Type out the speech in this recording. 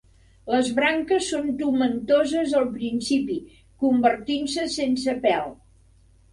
Les branques són tomentoses al principi, convertint-se sense pèl.